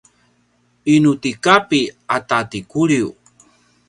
inu ti Kapi ata ti Kuliu?